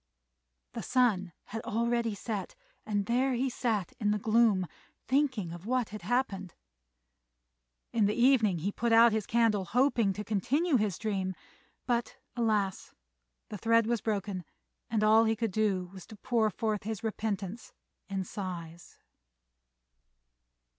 The sun had already set, and there he sat in the gloom thinking of what had happened. In the evening he put out his candle, hoping to continue his dream; but, alas! the thread was broken, and all he could do was to pour forth his repentance in sighs.